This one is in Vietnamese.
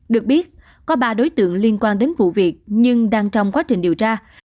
được biết có ba đối tượng liên quan đến vụ việc nhưng đang trong quá trình điều tra